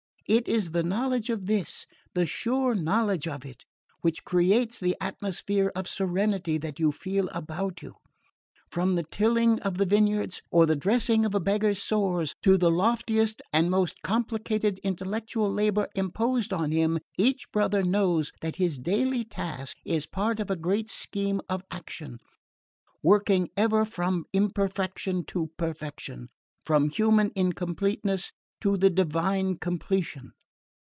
It is the knowledge of this, the sure knowledge of it, which creates the atmosphere of serenity that you feel about you. From the tilling of the vineyards, or the dressing of a beggar's sores, to the loftiest and most complicated intellectual labour imposed on him, each brother knows that his daily task is part of a great scheme of action, working ever from imperfection to perfection, from human incompleteness to the divine completion.